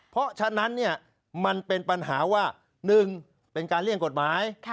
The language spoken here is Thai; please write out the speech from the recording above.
เพราะฉะนั้นมันเป็นปัญหาว่า๑เป็นการเลี่ยงกฎหมาย